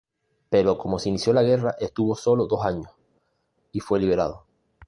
Pero como se inició la guerra estuvo solo dos años y fue liberado.